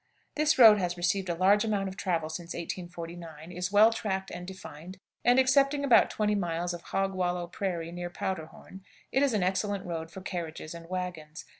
This road has received a large amount of travel since 1849, is well tracked and defined, and, excepting about twenty miles of "hog wallow prairie" near Powder horn, it is an excellent road for carriages and wagons.